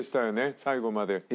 最後まで。